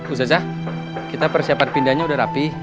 ustazah kita persiapan pindahnya udah rapi